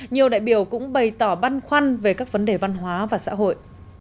nhiều đại biểu cũng bày tỏ băn khoăn về các vấn đề văn hóa và xã hội